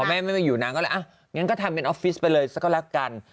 แม่ไม่มาอยู่นางก็เลยอ่ะงั้นก็ทำเป็นออฟฟิศไปเลยสักก็แล้วกัน